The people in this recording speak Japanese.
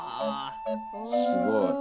すごい。